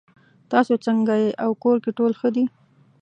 تاسو څنګه یې او کور کې ټول ښه دي